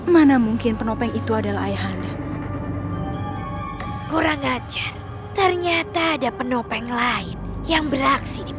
mana mungkin penopeng itu adalah ayahanda kurang aceh ternyata ada penopeng lain yang beraksi di